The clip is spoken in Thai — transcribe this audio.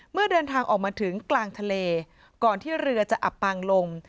เมื่อเดินทางออกมาถึงกลางทะเลก่อนที่เรือจะอับปางลง